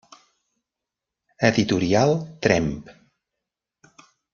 Editorial Tremp.